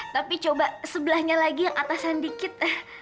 tapi coba sebelahnya lagi yang atasan dikit